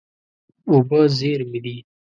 اوبه زېرمې دي.